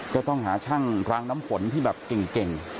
ก็ต้องหาช่างรางน้ำฝนที่แบบเก่ง